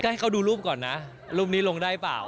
ให้เขาดูรูปก่อนนะรูปนี้ลงได้เปล่า